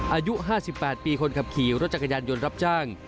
อายุ๕๘ปีคนขับขี่รถจักรยานยนต์รับจ้าง